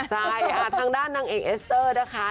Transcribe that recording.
ใช่ค่ะทางด้านนางเอกเอสเตอร์นะคะ